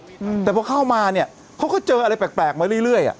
อืมแต่พอเข้ามาเนี้ยเขาก็เจออะไรแปลกแปลกมาเรื่อยเรื่อยอ่ะ